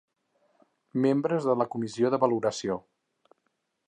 Membres de la comissió de valoració.